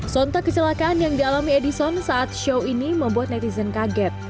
sontak kecelakaan yang dialami edison saat show ini membuat netizen kaget